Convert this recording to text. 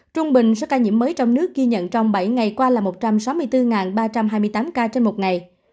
trung bình số ca nhiễm mới trong nước ghi nhận trong bảy ngày qua là một trăm sáu mươi bốn ba trăm hai mươi tám ca trên một ngày